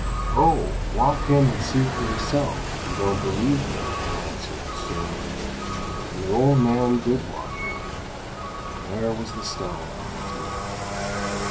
"Oh, walk in and see for yourself if you don't believe me," answered Hsing; and the old man did walk in, and there was the stone on the table.